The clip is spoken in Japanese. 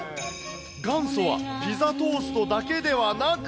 元祖はピザトーストだけではなく。